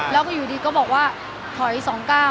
แล้วก็อยู่ดีก็บอกว่าถอย๒๙